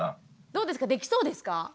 どうですかできそうですか？